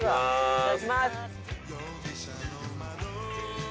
いただきます。